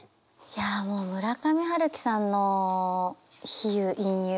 いやあもう村上春樹さんの比喩隠喩